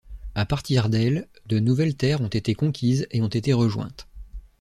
À partir d'elles, de nouvelles terres ont été conquises, et ont été rejointes.